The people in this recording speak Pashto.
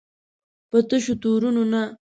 په تشو تورونو نه.